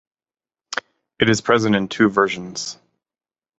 It is present in two versions.